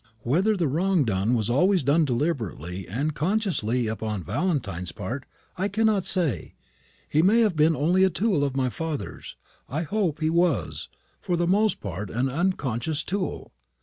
Whether the wrong done was always done deliberately and consciously upon Valentine's part, I cannot say. He may have been only a tool of my father's. I hope he was, for the most part an unconscious tool."